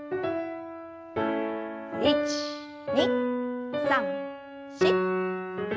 １２３４。